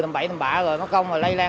tầm bậy tầm bạ rồi nó công rồi lây lan